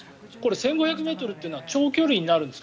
１５００ｍは長距離になるんですか？